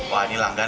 wah ini langganan